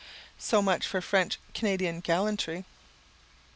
So much for French Canadian gallantry.